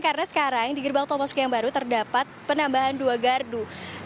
karena sekarang di gerbang tol masuk yang baru terdapat penambahan dua gardu